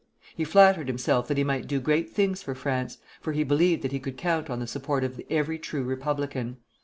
He flattered himself that he might do great things for France, for he believed that he could count on the support of every true Republican.